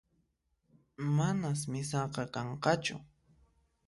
Manas misaqa kanqachu